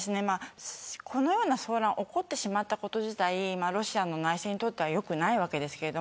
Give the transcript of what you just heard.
このような騒乱が起こってしまったこと自体ロシアの内政にとっては良くないわけです。